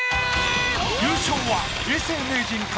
優勝は永世名人か？